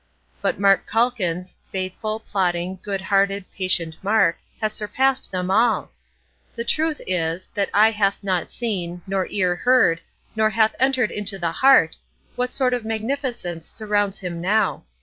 But Mark Calkins, faithful, plodding, good hearted, patient Mark, has surpassed them all! The truth is "that eye hath not seen, nor ear heard, neither hath entered into the heart," what sort of magnificence surrounds him now.